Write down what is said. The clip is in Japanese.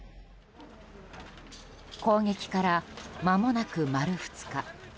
攻撃からまもなく丸２日。